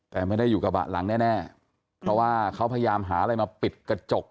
แต่ไม่ได้อยู่กระบะหลังแน่เพราะว่าเขาพยายามหาอะไรมาปิดกระจก